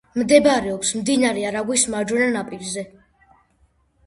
მდებარეობს მდინარე არაგვის მარჯვენა ნაპირზე.